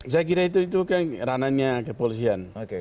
saya kira itu kan ranahnya kepolisian